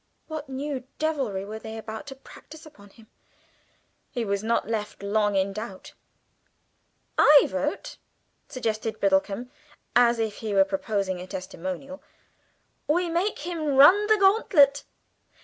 What new devilry were they about to practise upon him? He was not left long in doubt. "I vote," suggested Biddlecomb, as if he were proposing a testimonial, "we make him run the gauntlet.